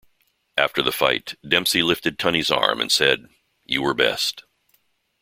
After the fight, Dempsey lifted Tunney's arm and said, You were best.